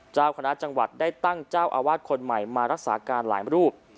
เจ้าคณะจังหวัดได้ตั้งเจ้าอาวาสคนใหม่มารักษาการหลายรูป